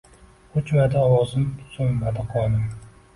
O’chmadi ovozim, so’nmadi qonim…